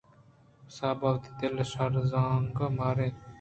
قصاب وتی دلءَشرزانگءُ مارگءَات